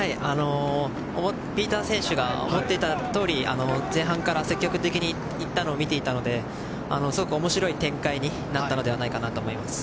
ピーター選手が思っていたとおり前半から積極的に行ったのを見ていたのですごく面白い展開になったのではないかと思います。